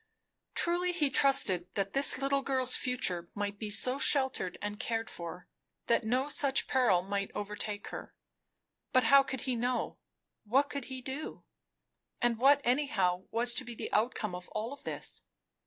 Truly, he trusted that this little girl's future might be so sheltered and cared for, that no such peril might overtake her; but how could he know? What could he do? and what anyhow was to be the outcome of all this?